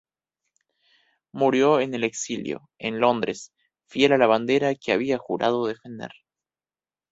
Murió en el exilio, en Londres, fiel a la bandera que había jurado defender.